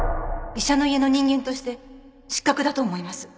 医者の家の人間として失格だと思います